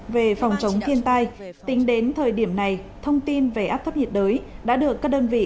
về phòng chống thiên tai tính đến thời điểm này thông tin về áp thấp nhiệt đới đã được các đơn vị